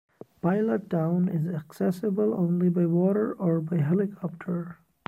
Pilottown is accessible only by water or by helicopter.